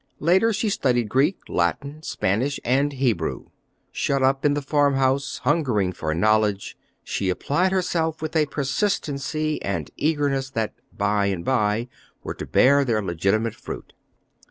Later, she studied Greek, Latin, Spanish, and Hebrew. Shut up in the farm house, hungering for knowledge, she applied herself with a persistency and earnestness that by and by were to bear their legitimate fruit.